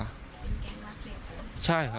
เป็นแก๊งลักพาตัวเด็กใช่ครับ